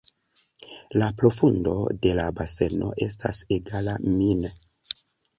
La profundo de la baseno estas egala min.